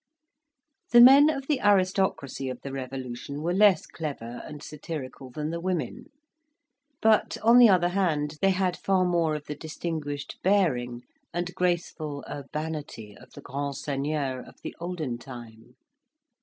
The men of the aristocracy of the Revolution were less clever and satirical than the women; but, on the other hand, they had far more of the distinguished bearing and graceful urbanity of the grands seigneurs of the olden time.